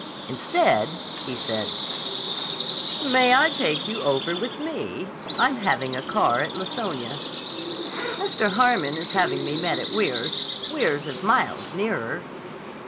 Instead he said: "May I take you over with me? I'm having a car at Laconia." "Mr. Harmon is having me met at Weirs. Weirs is miles nearer."